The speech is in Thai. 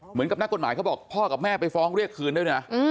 เหมือนกับนักกฎหมายเขาบอกพ่อกับแม่ไปฟ้องเรียกคืนด้วยนะ